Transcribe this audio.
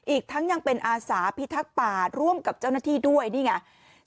อีกทั้งยังเป็นอาสาพิทักษ์ป่าร่วมกับเจ้าหน้าที่ด้วยนี่ไง